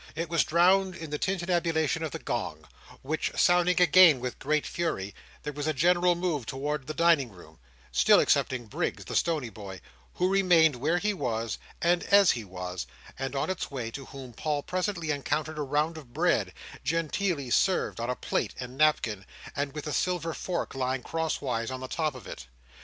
It was drowned in the tintinnabulation of the gong, which sounding again with great fury, there was a general move towards the dining room; still excepting Briggs the stony boy, who remained where he was, and as he was; and on its way to whom Paul presently encountered a round of bread, genteelly served on a plate and napkin, and with a silver fork lying crosswise on the top of it.